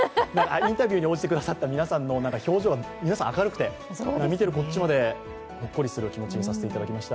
インタビューに応じてくださった皆さんの表情が皆さん明るくて、見てるこっちまでほっこりする気持ちにさせていただきました。